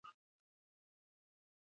دلته د میرمن عظمت د نثر یوه بیلګه را اخلو.